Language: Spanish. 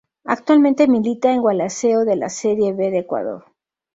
Actualmente milita en Gualaceo de la Serie B de Ecuador.